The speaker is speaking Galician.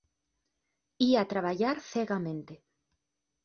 Ía traballar cegamente.